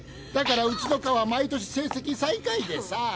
だからうちの課は毎年成績最下位でさ。